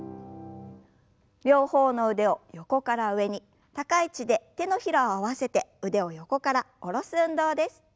両方の腕を横から上に高い位置で手のひらを合わせて腕を横から下ろす運動です。